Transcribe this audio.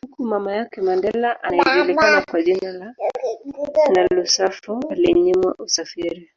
Huku mama yake Mandela anaejulikana kwa jina la Nolusapho alinyimwa usafiri